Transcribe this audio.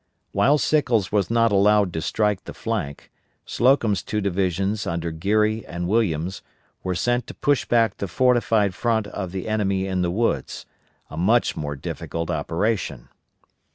While Sickles was not allowed to strike the flank, Slocum's two divisions under Geary and Williams were sent to push back the fortified front of the enemy in the woods; a much more difficult operation.